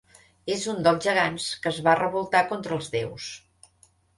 És un dels gegants que es va revoltar contra els déus.